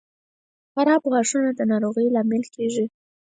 • خراب غاښونه د ناروغۍ لامل کیږي.